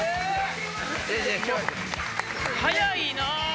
早いな！